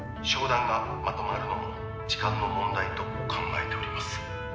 「商談がまとまるのも時間の問題と考えております」